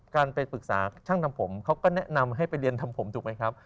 การไปปรึกษาช่างทำผมเขาก็แนะนำให้ไปเรียนทำผมถูกไหมครับ